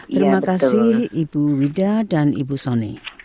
terima kasih ibu wida dan ibu soni